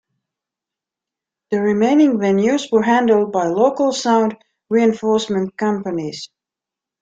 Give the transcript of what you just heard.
The remaining venues were handled by local sound reinforcement companies.